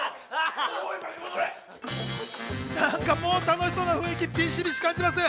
楽しそうな雰囲気、ビシビシ感じます。